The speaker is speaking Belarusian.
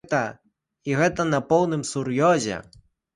І гэта на поўным сур'ёзе.